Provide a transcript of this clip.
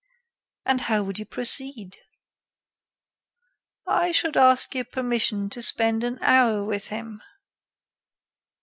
"And how would you proceed?" "I should ask your permission to spend an hour with him."